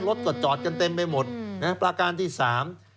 รถกดจอดกันเต็มไปหมดประการที่สาม